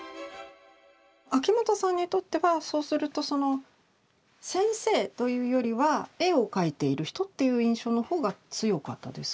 秋元さんにとってはそうするとその「先生」というよりは「絵を描いている人」っていう印象の方が強かったですか？